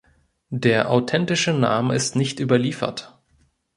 Der authentische Name ist nicht überliefert.